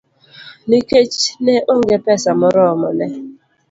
Nikech ne onge pesa moromo, ne